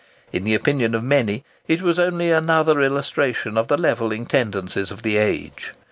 In the opinion of many, it was only another illustration of the levelling tendencies of the age.